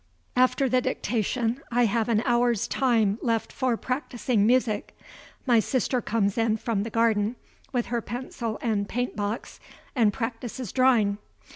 After the dictation, I have an hour's time left for practicing music. My sister comes in from the garden, with her pencil and paint box, and practices drawing.